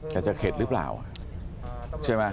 แกจะเข็ดรึเปล่าใช่ไหม